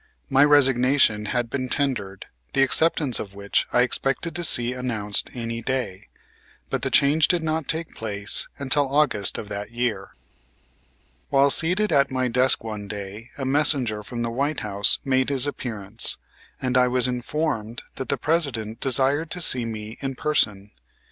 My resignation had been tendered, the acceptance of which I expected to see announced any day, but the change did not take place until August of that year. While seated at my desk one day a messenger from the White House made his appearance, and I was informed that the President desired to see me in person.